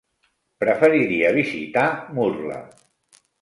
Preferiria visitar Murla.